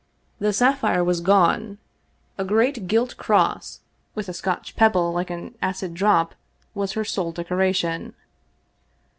The sapphire was gone ! A great gilt cross, with a Scotch pebble like an acid drop, was her sole decoration.